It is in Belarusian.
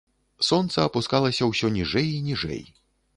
Сонца апускалася ўсё ніжэй і ніжэй.